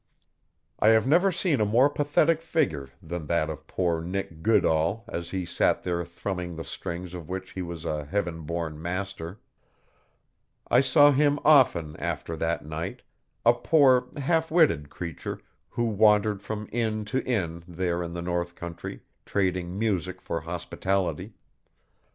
I have never seen a more pathetic figure than that of poor Nick Goodall as he sat there thrumming the strings of which he was a Heaven born master. I saw him often after that night a poor, halfwitted creature, who wandered from inn to inn there in the north country, trading music for hospitality.